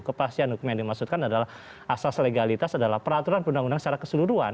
kepastian hukum yang dimaksudkan adalah asas legalitas adalah peraturan undang undang secara keseluruhan